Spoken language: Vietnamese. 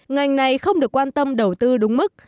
ngành này không được quan tâm đầu tư đúng mức